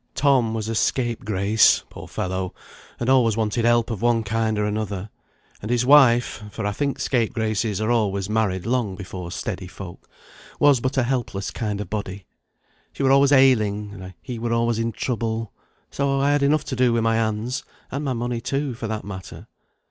Tom was a scapegrace, poor fellow, and always wanted help of one kind or another; and his wife (for I think scapegraces are always married long before steady folk) was but a helpless kind of body. She were always ailing, and he were always in trouble; so I had enough to do with my hands and my money too, for that matter.